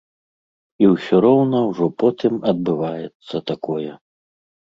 І ўсё роўна ўжо потым адбываецца такое.